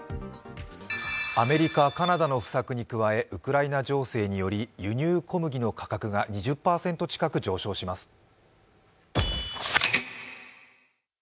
アメリカ、カナダの不作に加えウクライナ情勢により、輸入小麦の価格が２０％近く上昇します。